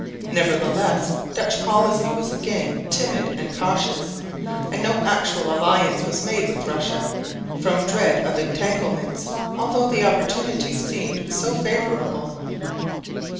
Nevertheless Dutch policy was again timid and cautious; and no actual alliance was made with Russia, from dread of entanglements, although the opportunity seemed so favourable.